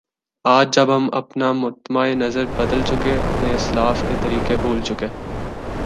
آج جب ہم اپنا مطمع نظر بدل چکے اپنے اسلاف کے طریق بھول چکے